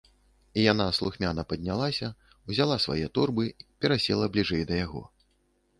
І яна слухмяна паднялася, узяла свае торбы, перасела бліжэй да яго.